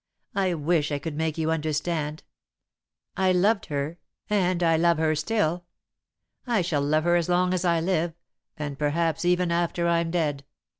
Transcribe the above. "I wish I could make you understand. I loved her, and I love her still. I shall love her as long as I live, and perhaps even after I'm dead.